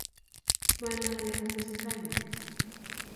Maanai ale katestai ne.